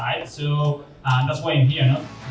jadi itu yang membuat saya disini